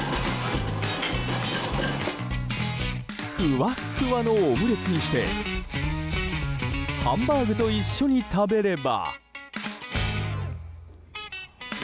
ふわっふわのオムレツにしてハンバーグと一緒に食べれば。